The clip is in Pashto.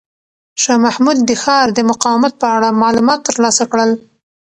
شاه محمود د ښار د مقاومت په اړه معلومات ترلاسه کړل.